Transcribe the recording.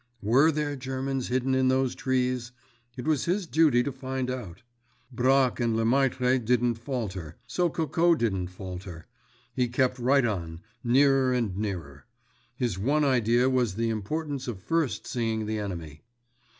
Were there Germans hidden in those trees? It was his duty to find out. Bracques and Lemaitre didn't falter; so Coco didn't falter. He kept right on, nearer and nearer. His one idea was the importance of first seeing the enemy.